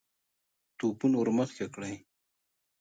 توپونه ور مخکې کړئ!